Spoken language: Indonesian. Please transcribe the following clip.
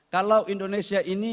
kalau indonesia ini